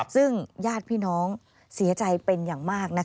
ซึ่งญาติพี่น้องเสียใจเป็นอย่างมาก